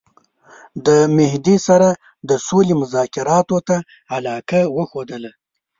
د مهدي سره د سولي مذاکراتو ته علاقه وښودله.